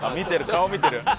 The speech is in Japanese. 顔見てる！